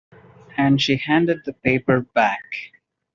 And she handed the paper back.